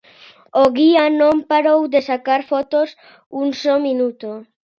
O guía non parou de sacar fotos un só minuto.